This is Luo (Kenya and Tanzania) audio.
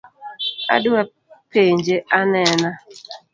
Adwa penje anena